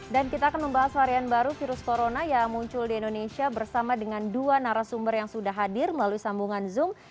dan kita akan membahas varian baru virus corona yang muncul di indonesia bersama dengan dua narasumber yang sudah hadir melalui sambungan zoom